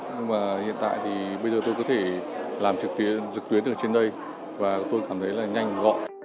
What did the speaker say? nhưng mà hiện tại thì bây giờ tôi có thể làm trực tuyến trực tuyến ở trên đây và tôi cảm thấy là nhanh gọn